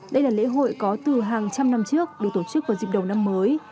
đây là lễ hội có từ hàng trăm năm trước được tổ chức vào dịp đầu năm mới